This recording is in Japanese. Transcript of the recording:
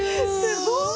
すごい！